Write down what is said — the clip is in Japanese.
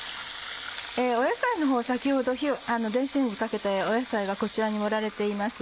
野菜のほう先ほど電子レンジかけて野菜がこちらに盛られています。